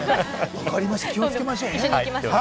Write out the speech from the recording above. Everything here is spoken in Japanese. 分かりました、気をつけましょう。